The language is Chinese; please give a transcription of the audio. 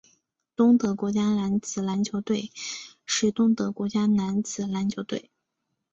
东德国家男子篮球队是东德的国家男子篮球队。